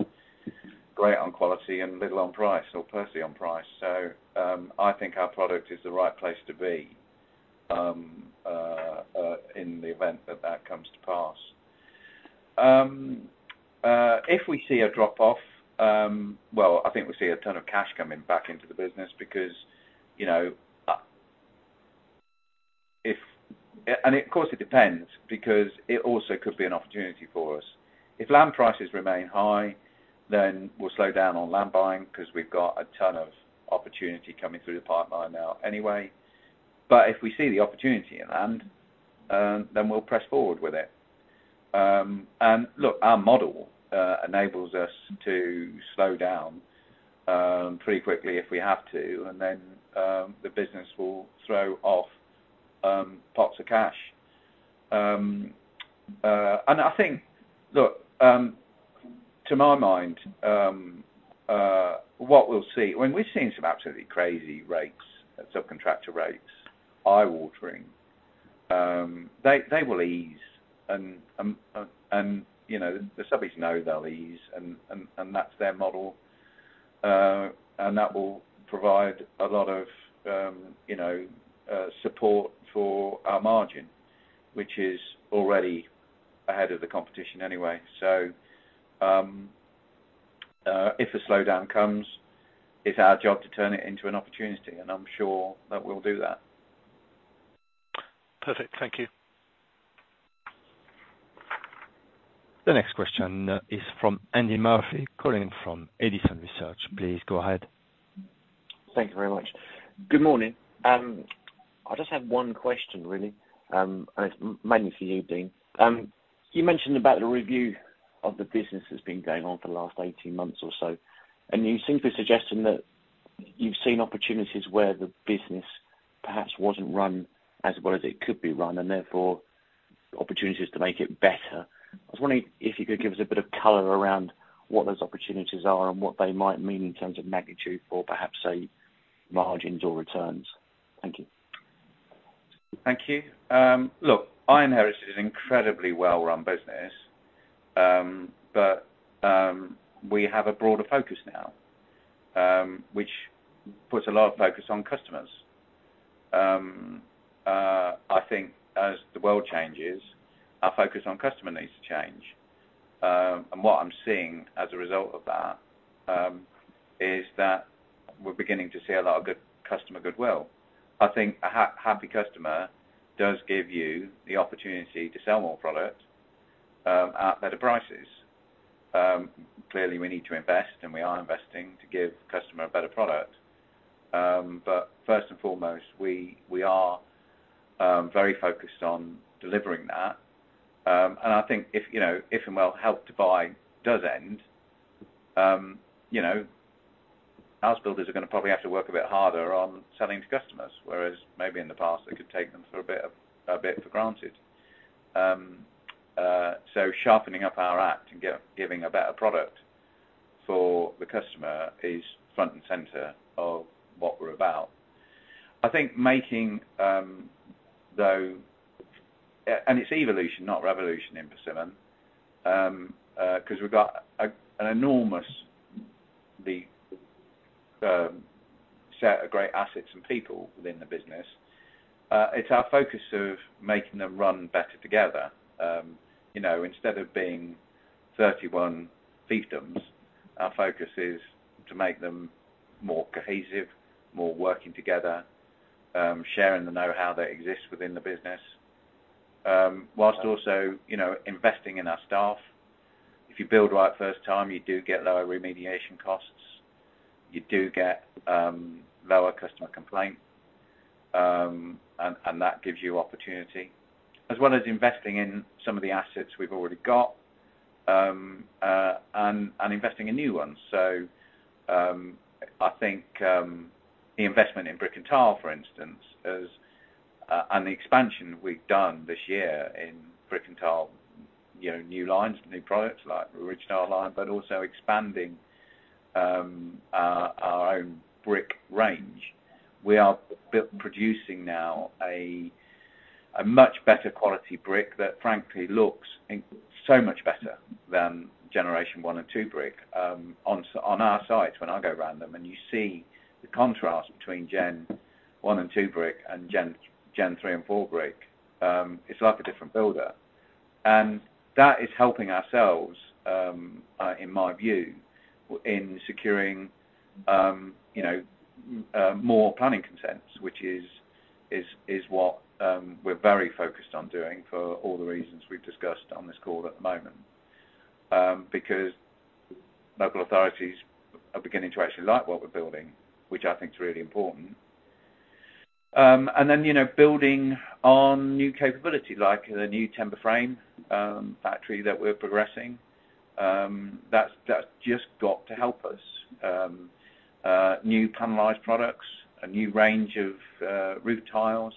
great on quality and Lidl on price or Persimmon on price. I think our product is the right place to be in the event that that comes to pass. If we see a drop-off, well, I think we'll see a ton of cash coming back into the business because, you know, if Of course it depends because it also could be an opportunity for us. If land prices remain high, then we'll slow down on land buying 'cause we've got a ton of opportunity coming through the pipeline now anyway. If we see the opportunity in land, then we'll press forward with it. Look, our model enables us to slow down pretty quickly if we have to, and then the business will throw off pots of cash. I think. Look, to my mind, what we'll see. I mean, we've seen some absolutely crazy rates, subcontractor rates, eye-watering. They will ease and, you know, the subbies know they'll ease and that's their model. That will provide a lot of, you know, support for our margin, which is already ahead of the competition anyway. If a slowdown comes, it's our job to turn it into an opportunity, and I'm sure that we'll do that. Perfect. Thank you. The next question is from Andy Murphy, calling from Edison Investment Research. Please go ahead. Thank you very much. Good morning. I just have one question, really. It's mainly for you, Dean. You mentioned about the review of the business that's been going on for the last 18 months or so, and you seem to be suggesting that you've seen opportunities where the business perhaps wasn't run as well as it could be run, and therefore opportunities to make it better. I was wondering if you could give us a bit of color around what those opportunities are and what they might mean in terms of magnitude or perhaps, say, margins or returns. Thank you. Thank you. Look, I inherited an incredibly well-run business, but we have a broader focus now, which puts a lot of focus on customers. I think as the world changes, our focus on customer needs to change. What I'm seeing as a result of that is that we're beginning to see a lot of good customer goodwill. I think a happy customer does give you the opportunity to sell more product at better prices. Clearly we need to invest, and we are investing to give customer a better product. First and foremost, we are very focused on delivering that. I think if, you know, if and when Help to Buy does end, you know, house builders are gonna probably have to work a bit harder on selling to customers, whereas maybe in the past, they could take them a bit for granted. Sharpening up our act and giving a better product for the customer is front and center of what we're about. I think it's evolution, not revolution in Persimmon. 'Cause we've got an enormous set of great assets and people within the business. It's our focus of making them run better together. You know, instead of being 31 fiefdoms, our focus is to make them more cohesive, more working together, sharing the know-how that exists within the business. While also, you know, investing in our staff. If you build right first time, you do get lower remediation costs. You do get lower customer complaint. That gives you opportunity. As well as investing in some of the assets we've already got, and investing in new ones. The investment in brick and tile, for instance, has and the expansion we've done this year in brick and tile, you know, new lines, new products like ridge tile line, but also expanding our own brick range. We are producing now a much better quality brick that frankly looks so much better than 1st- and 2nd-generation brick. On our sites when I go around them and you see the contrast between 1st- and 2nd-gen brick and 3rd- and 4th-gen brick, it's like a different builder. That is helping ourselves, in my view, in securing, you know, more planning consents, which is what we're very focused on doing for all the reasons we've discussed on this call at the moment. Because local authorities are beginning to actually like what we're building, which I think is really important. You know, building on new capability, like the new timber frame factory that we're progressing. That's just got to help us. New panelized products, a new range of roof tiles.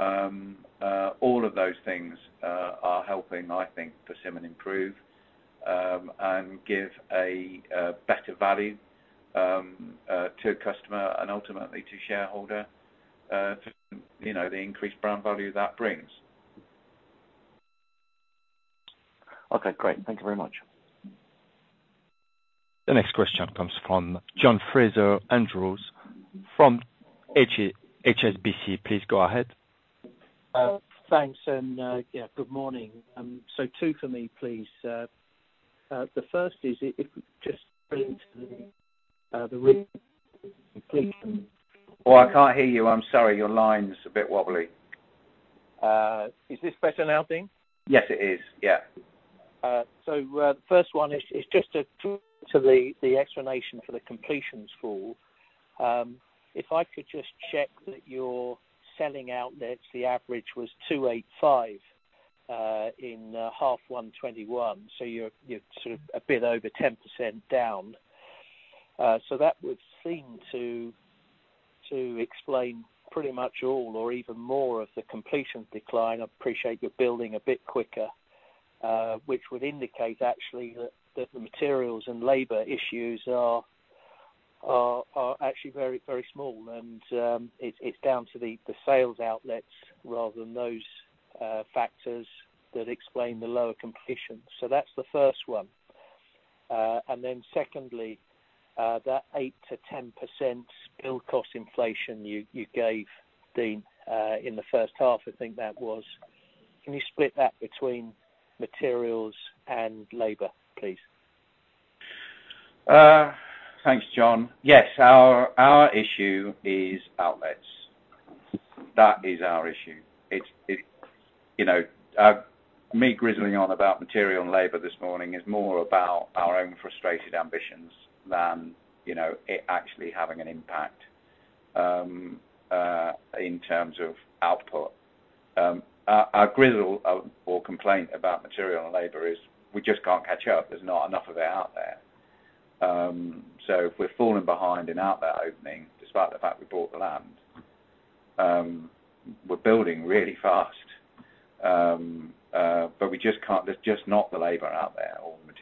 All of those things are helping, I think, Persimmon improve and give a better value to a customer and ultimately to shareholder to, you know, the increased brand value that brings. Okay, great. Thank you very much. The next question comes from John Fraser-Andrews from HSBC. Please go ahead. Thanks, yeah, good morning. Two for me, please. The first is, if just relating to the completion. Oh, I can't hear you. I'm sorry. Your line's a bit wobbly. Is this better now, Dean? Yes, it is. Yeah. The first one is just a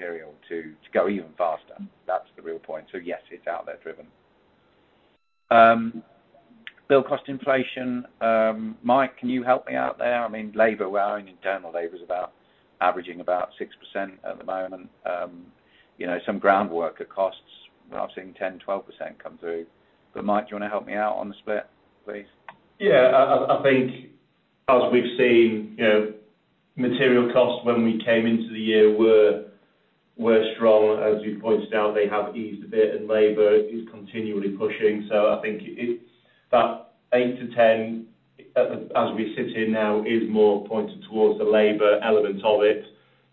yeah, I think as we've seen, you know, material costs when we came into the year were strong. As you pointed out, they have eased a bit and labor is continually pushing. So I think it's 8%-10%, as we sit here now, is more pointed towards the labor element of it.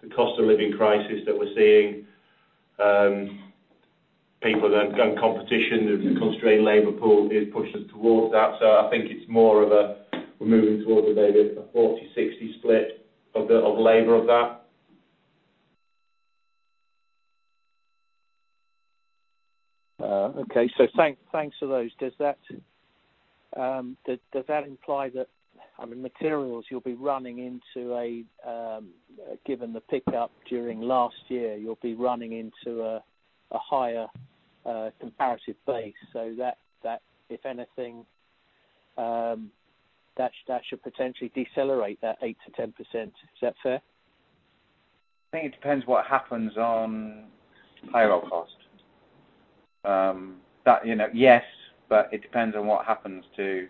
The cost-of-living crisis that we're seeing, and competition of the constrained labor pool is pushing us towards that. I think it's more of a, we're moving towards maybe a 40/60 split of the labor of that. Thanks for those. Does that imply that, I mean, materials, given the pickup during last year, you'll be running into a higher comparative base so that, if anything, that should potentially decelerate that 8%-10%. Is that fair? I think it depends what happens on payroll costs. Yes, but it depends on what happens to,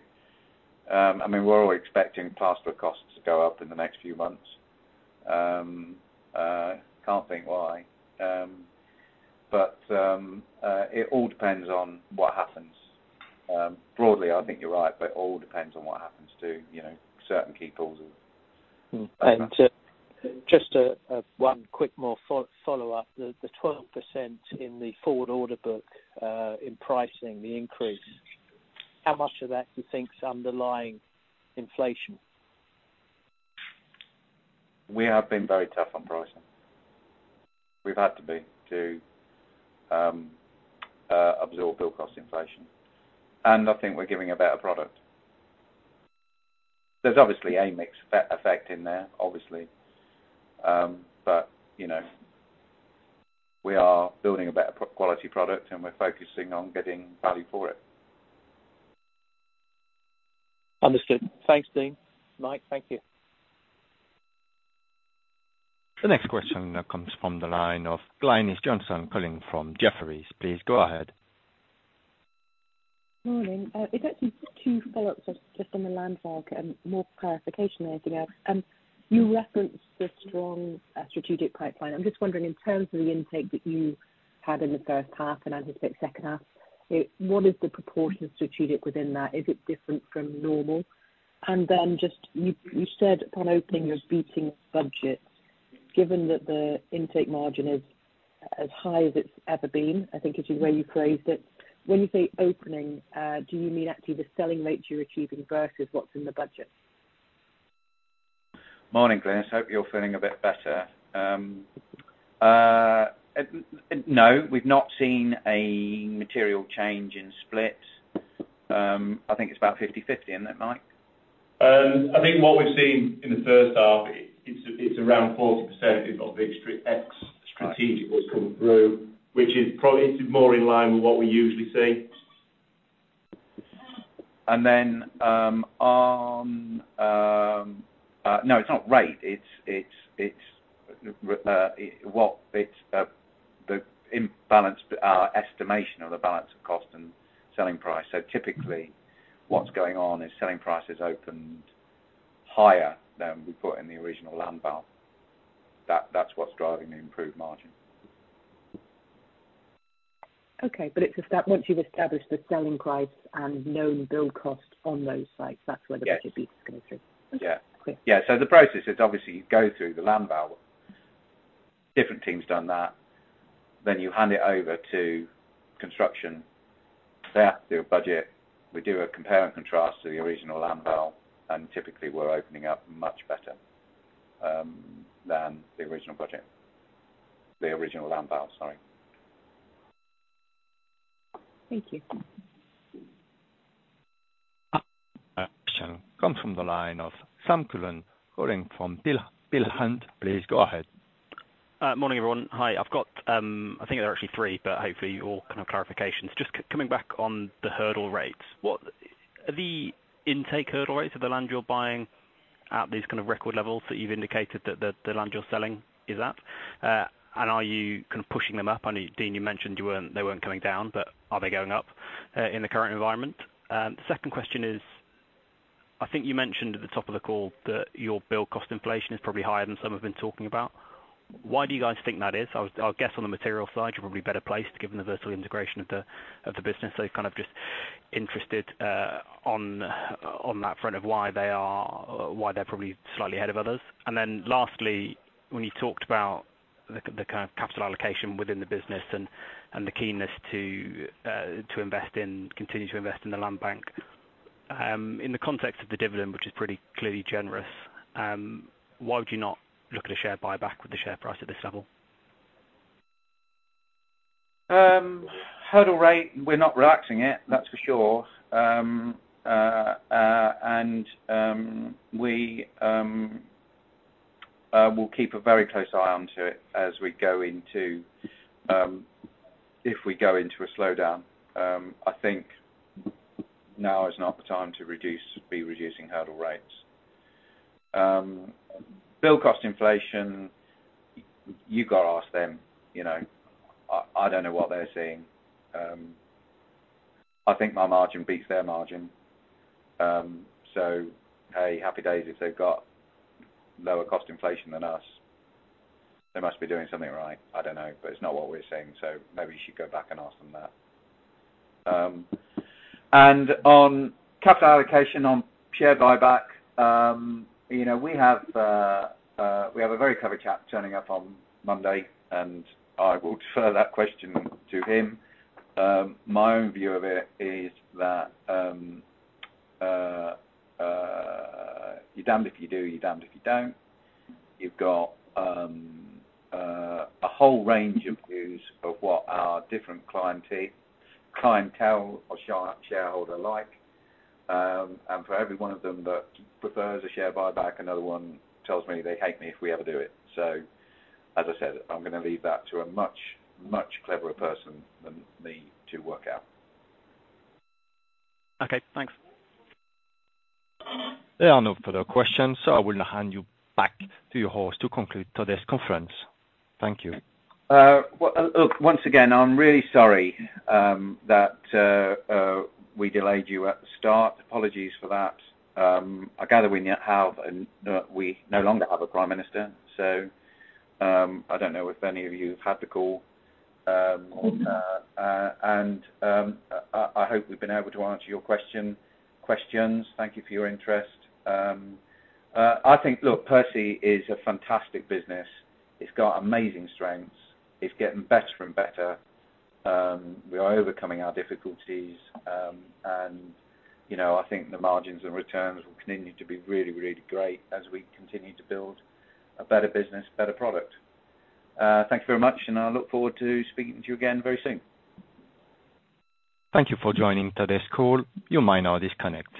I mean we're all expecting passport costs to go up in the next few months. Can't think why, but it all depends on what happens. Broadly, I think you're right, but it all depends on what happens to, you know, certain key causes of Just one quick more follow-up. The 12% in the forward order book in pricing the increase, how much of that do you think is underlying inflation? We have been very tough on pricing. We've had to be to absorb build cost inflation, and I think we're giving a better product. There's obviously a mix effect in there, obviously. You know, we are building a better quality product and we're focusing on getting value for it. Understood. Thanks, Dean. Mike, thank you. The next question now comes from the line of Glynis Johnson calling from Jefferies. Please go ahead. Morning. It's actually two follow-ups just on the land and more clarification there. You referenced the strong strategic pipeline. I'm just wondering, in terms of the intake that you had in the first half, and I'd expect second half, what is the proportion of strategic within that? Is it different from normal? Then just you said upon opening you're beating budget. Given that the intake margin is as high as it's ever been, I think is the way you phrased it, when you say opening, do you mean actually the selling rate you're achieving versus what's in the budget? Morning, Glynis. Hope you're feeling a bit better. No, we've not seen a material change in split. I think it's about 50/50, isn't it, Mike? I think what we've seen in the first half, it's around 40% of the extra ex-strategic that's come through, which is probably more in line with what we usually see. It's the imbalanced estimation of the balance of cost and selling price. Typically, what's going on is selling prices opened higher than we put in the original land valuation. That's what's driving the improved margin. Okay. It's established once you've established the selling price and known build cost on those sites. That's where the budgets coming through. Yeah. Okay. Yeah. The process is obviously you go through the land valuation. Different team's done that. You hand it over to construction. They have to do a budget. We do a compare and contrast to the original land valuation, and typically we're opening up much better than the original budget. The original land valuation, sorry. Thank you. Next question comes from the line of Sam Cullen calling from Peel Hunt. Please go ahead. Morning, everyone. Hi. I've got, I think there are actually three, but hopefully all kind of clarifications. Just coming back on the hurdle rates, what are the intake hurdle rates of the land you're buying at these kind of record levels that you've indicated that the land you're selling is at? And are you kind of pushing them up? I know, Dean, you mentioned you weren't, they weren't coming down, but are they going up in the current environment? Second question is, I think you mentioned at the top of the call that your build cost inflation is probably higher than some have been talking about. Why do you guys think that is? I'll guess on the material side, you're probably better placed given the vertical integration of the business. Kind of just interested on that front of why they are or why they're probably slightly ahead of others. Then lastly, when you talked about the kind of capital allocation within the business and the keenness to continue to invest in the land bank, in the context of the dividend, which is pretty clearly generous, why would you not look at a share buyback with the share price at this level? Hurdle rate, we're not relaxing it, that's for sure. We will keep a very close eye on it as we go into, if we go into a slowdown. I think now is not the time to be reducing hurdle rates. Build cost inflation, you gotta ask them, you know, I don't know what they're seeing. I think my margin beats their margin. Hey, happy days if they've got lower cost inflation than us. They must be doing something right. I don't know, but it's not what we're seeing, so maybe you should go back and ask them that. On capital allocation, on share buyback, you know, we have a very clever chap turning up on Monday, and I will defer that question to him. My own view of it is that you're damned if you do, you're damned if you don't. You've got a whole range of views of what our different clientele or shareholder like, and for every one of them that prefers a share buyback, another one tells me they hate me if we ever do it. As I said, I'm gonna leave that to a much, much cleverer person than me to work out. Okay, thanks. There are no further questions, so I will now hand you back to your host to conclude today's conference. Thank you. Well, look, once again, I'm really sorry that we delayed you at the start. Apologies for that. I gather we no longer have a prime minister, so I don't know if any of you have had the call on that. I hope we've been able to answer your questions. Thank you for your interest. I think, look, Persimmon is a fantastic business. It's got amazing strengths. It's getting better and better. We are overcoming our difficulties, and you know, I think the margins and returns will continue to be really, really great as we continue to build a better business, better product. Thank you very much, and I look forward to speaking to you again very soon. Thank you for joining today's call. You may now disconnect.